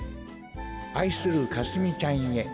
あいするかすみちゃんへ。